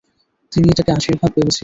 তিনি এটাকে আশীর্বাদ ভেবেছিলেন।